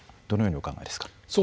どのようにお考えですか。